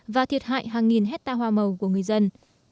và thiệt hại hàng nghìn hectare hoa màu của người dân